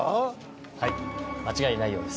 はい間違いないようです